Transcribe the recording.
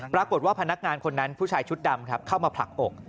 ปรากฏว่าพนักงานคนนั้นผู้ชายชุดดำเข้ามาผลักอก